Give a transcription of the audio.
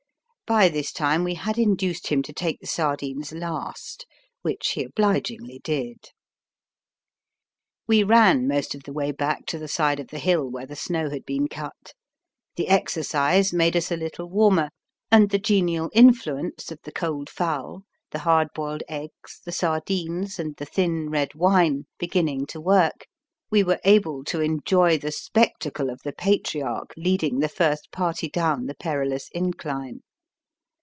By this time we had induced him to take the sardines last, which he obligingly did. We ran most of the way back to the side of the hill where the snow had been cut. The exercise made us a little warmer; and the genial influence of the cold fowl, the hard boiled eggs, the sardines and the thin red wine beginning to work, we were able to enjoy the spectacle of the Patriarch leading the first party down the perilous incline.